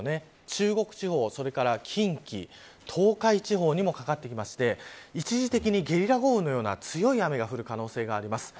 中国地方、近畿東海地方にもかかっていまして一時的にゲリラ豪雨のような強い雨が降る可能性があります。